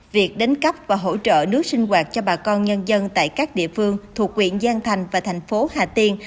việc đánh cấp và hỗ trợ nước sinh hoạt cho bà con nhân dân tại các địa phương thuộc quyện giang thành và thành phố hà tiên